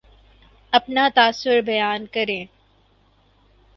اپنا تاثر بیان کریں